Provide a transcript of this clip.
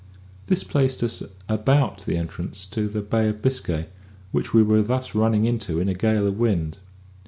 This placed us at about the entrance to the Bay of Biscay, which we were thus running into in a gale of wind.